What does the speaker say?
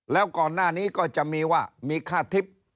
แล้วก่อนหน้านี้ก็จะมีว่ามีค่าทิพย์